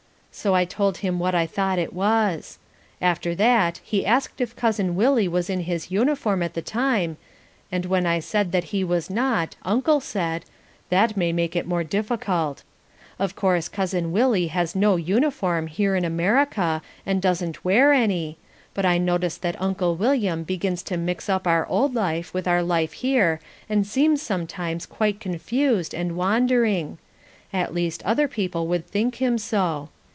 So I told him that I thought it was. After that he asked if Cousin Willie was in his uniform at the time, and when I said that he was not, Uncle said "That may make it more difficult." Of course Cousin Willie has no uniform here in America and doesn't wear any, but I notice that Uncle William begins to mix up our old life with our life here and seems sometimes quite confused and wandering; at least other people would think him so.